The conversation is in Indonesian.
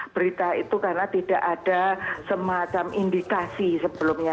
berita itu karena tidak ada semacam indikasi sebelumnya